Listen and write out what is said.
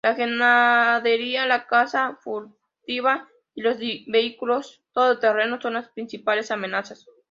La ganadería, la caza furtiva y los vehículos todo-terreno son las principales amenazas.